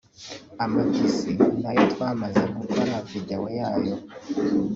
Amatisi nayo twamaze gukora video yayo